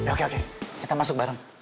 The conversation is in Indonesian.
oke oke kita masuk bareng